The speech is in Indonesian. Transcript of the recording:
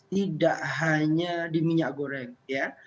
tidak hanya di minyak goreng ya